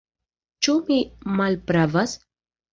Ĉu mi malpravas?